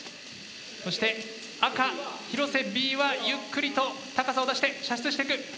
そして赤広瀬Ｂはゆっくりと高さを出して射出していく。